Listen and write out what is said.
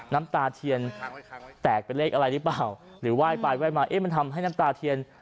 น้ำตาเทียนแตกเป็นเลขอะไรหรือเปล่าหรือไหว้ไปไหว้มาเอ๊ะมันทำให้น้ำตาเทียน